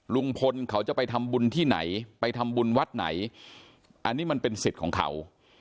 ลุงพลเขาจะไปทำบุญที่ไหนไปทำบุญวัดไหนอันนี้มันเป็นสิทธิ์ของเขา